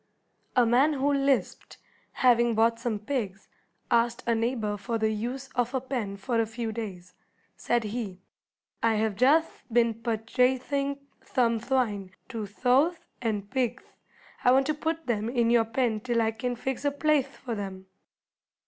A man who lisped, having bought some pigs, asked a neighbor for the use of a pen for a few days. Said he: "I have jutht been purchathing thome thwine two thowth and pigth. I want to put them in your pen till I can fix a plaith for them."